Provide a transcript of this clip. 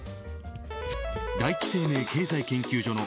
第一生命経済研究所の